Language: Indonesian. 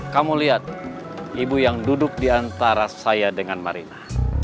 kamu lihat ibu yang duduk di antara saya dengan marina